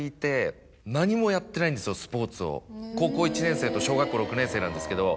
高校１年生と小学校６年生なんですけど。